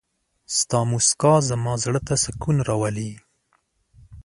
ستا مسکا زما زړه ته سکون راولي.